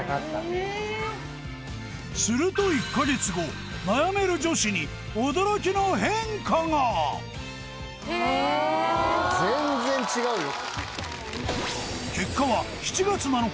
へえすると１か月後悩める女子に驚きの変化がへえ全然違うよ